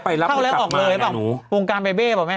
พองการบ๊ายฟแบ้บ่อแม่